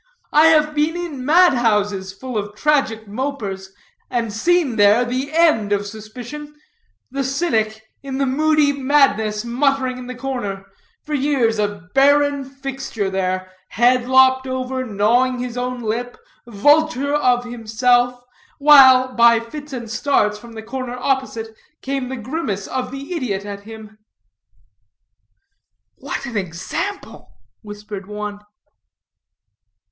I have been in mad houses full of tragic mopers, and seen there the end of suspicion: the cynic, in the moody madness muttering in the corner; for years a barren fixture there; head lopped over, gnawing his own lip, vulture of himself; while, by fits and starts, from the corner opposite came the grimace of the idiot at him." "What an example," whispered one.